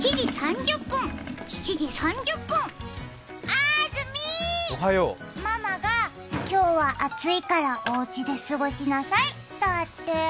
あーずみー、ママが今日は暑いからおうちで過ごしなさいだって。